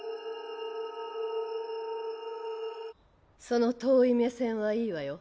その遠い目線はいいわよ。